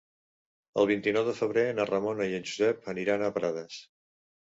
El vint-i-nou de febrer na Ramona i en Josep aniran a Prades.